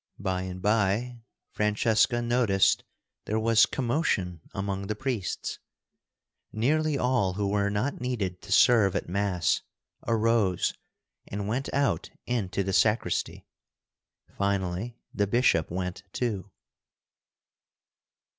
By and by Francesca noticed there was commotion among the priests. Nearly all who were not needed to serve at Mass arose and went out into the sacristy. Finally the bishop went, too.